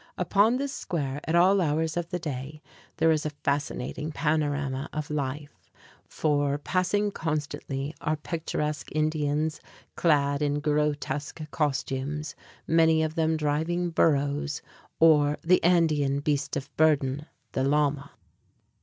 Upon this square, at all hours of the day, there is a fascinating panorama of life; for, passing constantly, are picturesque Indians, clad in grotesque costumes, many of them driving burros or the Andean beast of burden, the llama.